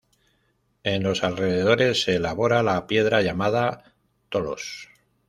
En los alrededores se elabora la piedra llamada Tholos.